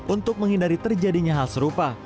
untuk menghindari terjadinya hal serupa